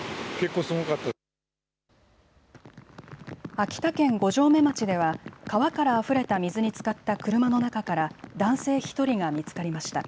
秋田県五城目町では川からあふれた水につかった車の中から男性１人が見つかりました。